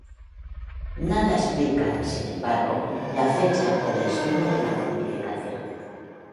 Nada explica, sin embargo, la fecha o la historia de la fortificación.